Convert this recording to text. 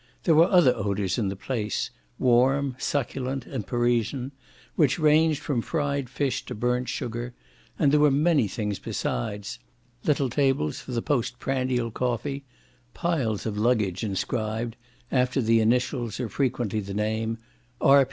There were other odours in the place, warm succulent and Parisian, which ranged from fried fish to burnt sugar; and there were many things besides: little tables for the post prandial coffee; piles of luggage inscribed (after the initials or frequently the name) R.